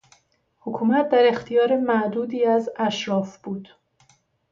حکومت در اختیار معدودی از اشراف بود.